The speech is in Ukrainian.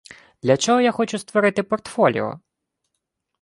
Для чого я хочу створити портфоліо?